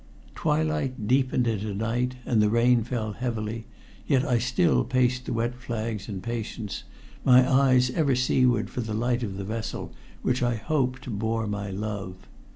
Twilight deepened into night, and the rain fell heavily, yet I still paced the wet flags in patience, my eyes ever seaward for the light of the vessel which I hoped bore my love.